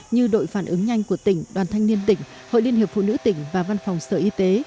như đội phản ứng nhanh của tỉnh đoàn thanh niên tỉnh hội liên hiệp phụ nữ tỉnh và văn phòng sở y tế